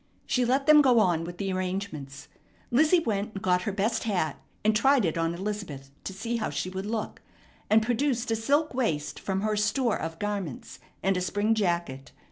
She let them go on with the arrangements. Lizzie went and got her best hat, and tried it on Elizabeth to see how she would look, and produced a silk waist from her store of garments, and a spring jacket.